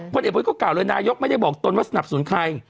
เด็กพุทธก็กล่าวเลยนายกไม่ได้บอกตนว่าสนับสนุนใคร